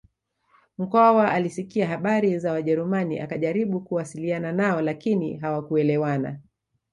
Mkwawa alisikia habari za wajerumani akajaribu kuwasiliana nao lakini hawakuelewana